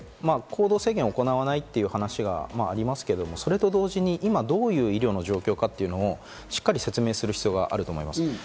行動制限を行わないという話がありますけど、それと同時に今、どういう医療の状況かしっかり説明する必要があると思います。